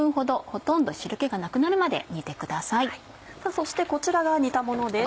そしてこちらが煮たものです。